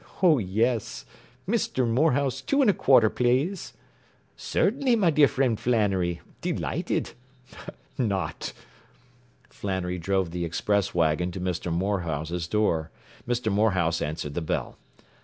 Oh, yes! 'Misther Morehouse, two an' a quarter, plaze.' 'Cert'nly, me dear frind Flannery. Delighted!' Not!” Flannery drove the express wagon to Mr. Morehouse's door. Mr. Morehouse answered the bell.